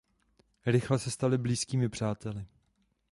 Rychle se stali blízkými přáteli.